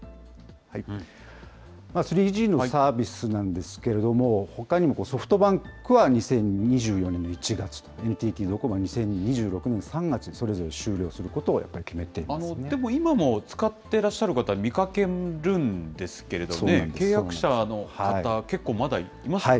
３Ｇのサービスなんですけれども、ほかにもソフトバンクは２０２４年の１月と、ＮＴＴドコモは２０２６年３月にそれぞれ終了することを、やっぱでも今も使ってらっしゃる方、見かけるんですけどね、契約者の方、結構まだいますよね。